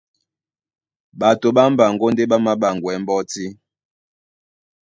Ɓato ɓá mbaŋgó ndé ɓá māɓaŋgwɛɛ́ mbɔ́tí.